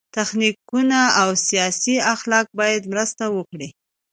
تخنیکونه او سیاسي اخلاق باید مرسته وکړي.